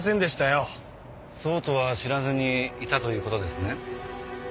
そうとは知らずにいたという事ですね？